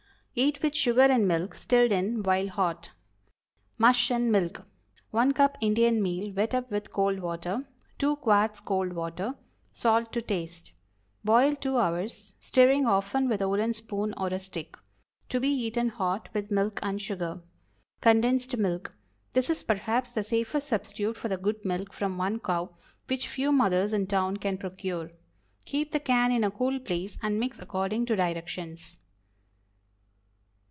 Eat with sugar and milk, stirred in while hot. MUSH AND MILK. 1 cup Indian meal, wet up with cold water. 2 quarts cold water. Salt to taste. Boil two hours; stirring often with a wooden spoon or a stick. To be eaten hot with milk and sugar. CONDENSED MILK. This is perhaps the safest substitute for the "good milk from one cow," which few mothers in town can procure. Keep the can in a cool place and mix according to directions.